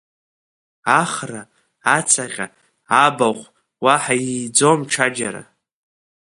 Ахра, ацаҟьа, абахә, Уаҳа ииӡом ҽаџьара.